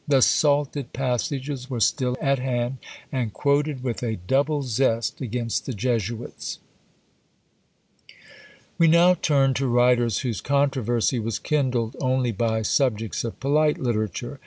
The salted passages were still at hand, and quoted with a double zest against the Jesuits! We now turn to writers whose controversy was kindled only by subjects of polite literature.